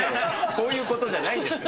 こういうことじゃないですよ。